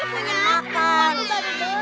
itu punya aku ciroknya